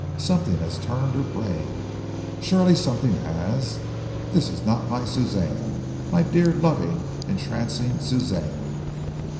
Something has turned her brain. Surely something has. This is not my Suzanne my dear, lovely, entrancing Suzanne."